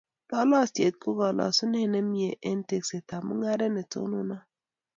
Tolosiet ko kolosunet ne mie eng teeksetab mungaret ne tononot